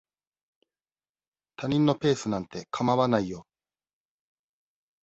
他人のペースなんて構わないよ。